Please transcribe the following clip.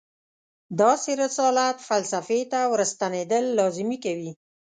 داسې رسالت فلسفې ته ورستنېدل لازمي کوي.